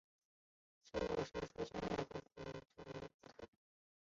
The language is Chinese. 寺西有南陈永定四年建造的石构单层圆形藏骨塔。